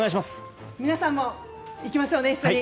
皆さんもいきましょうね一緒に。